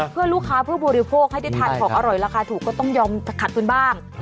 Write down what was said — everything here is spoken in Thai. เพื่อลูกค้าผู้บริโภคให้ได้ทานของอร่อยราคาถูกก็ต้องยอมขัดทุนบ้าง